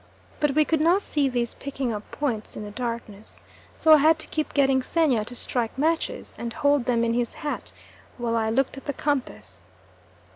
But we could not see these "picking up" points in the darkness, so I had to keep getting Xenia to strike matches, and hold them in his hat while I looked at the compass.